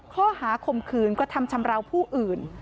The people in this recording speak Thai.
ข้อหาขมขืนก็ทำชำเลาผู้อื่น